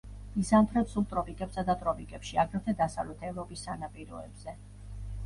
იზამთრებს სუბტროპიკებსა და ტროპიკებში, აგრეთვე დასავლეთი ევროპის სანაპიროებზე.